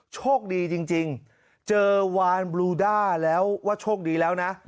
โชคดีจริงเจอวานบลูด้าแล้วว่าโชคดีแล้วนะ